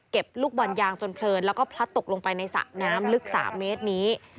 ลูกบอลยางจนเพลินแล้วก็พลัดตกลงไปในสระน้ำลึก๓เมตรนี้